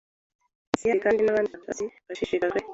siyansi kandi n’abandi bashakashatsi bashishikajwe